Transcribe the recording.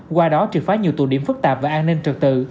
qua đó trực phá nhiều tù điểm phức tạp và an ninh trật tự